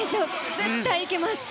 絶対いけます。